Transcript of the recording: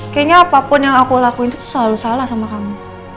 kayaknya apapun yang aku lakuin itu selalu salah sama kamu